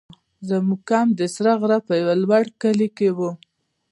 زموږ کمپ د سره غره په یو لوړ کلي کې وو.